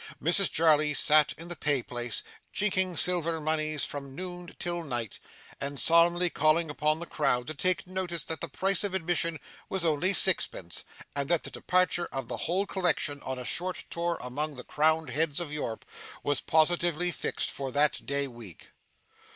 Mrs Jarley sat in the pay place, chinking silver moneys from noon till night, and solemnly calling upon the crowd to take notice that the price of admission was only sixpence, and that the departure of the whole collection, on a short tour among the Crowned Heads of Europe, was positively fixed for that day week.